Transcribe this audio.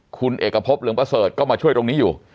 คุณเอกพบเหลืองประเสริฐก็มาช่วยตรงนี้อยู่